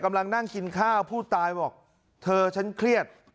กำลังนั่งกินข้าวผู้ตายบอกเธอฉันเครียด